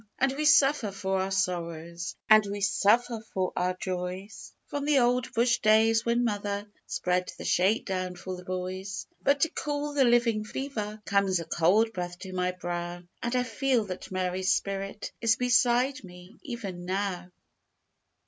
And we suffer for our sorrows, And we suffer for our joys, From the old bush days when mother Spread the shake down for the boys. But to cool the living fever, Comes a cold breath to my brow, And I feel that Mary's spirit Is beside me, even now.